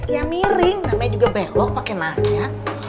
ya miring namanya juga belok pakai nanya